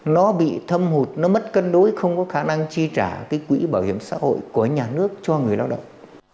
nó bị thâm hụt nó mất cân đối không có khả năng chi trả cái quỹ bảo hiểm xã hội của nhà nước cho người lao động